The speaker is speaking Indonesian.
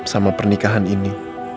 sama pernikahan ini